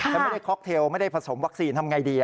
แล้วไม่ได้ค็อกเทลไม่ได้ผสมวัคซีนทำไงดี